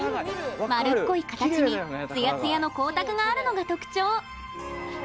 丸っこい形につやつやの光沢があるのが特徴。